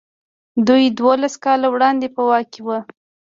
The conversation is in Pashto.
دوی دولس کاله وړاندې په واک کې وو.